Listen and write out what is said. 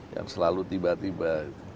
yang selalu tiba tiba